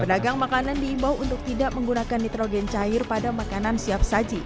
pedagang makanan diimbau untuk tidak menggunakan nitrogen cair pada makanan siap saji